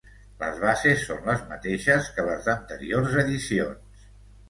Les bases són les mateixes que les d'anteriors edicions.